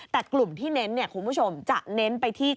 แต่กลุ่มที่เน้นเนี่ยคุณผู้ชมจะเน้นไปที่